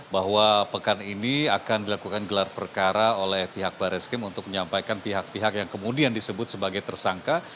bahwa pekan ini akan dilakukan gelar perkara oleh pihak baris krim untuk menyampaikan pihak pihak yang kemudian disebut sebagai tersangka